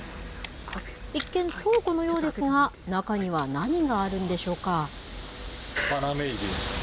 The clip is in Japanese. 一見、倉庫のようですが、中には何があるんでしょうか。